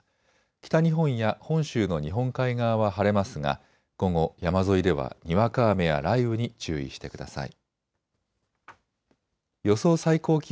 北日本や本州の日本海側は晴れますが今後、山沿いではにわか雨や雷雨に注意してください。